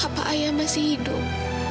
apa ayah masih hidup